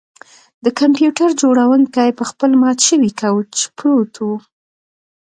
د کمپیوټر جوړونکی په خپل مات شوي کوچ پروت و